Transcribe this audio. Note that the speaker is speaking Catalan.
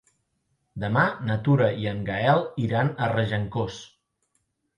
Demà na Tura i en Gaël iran a Regencós.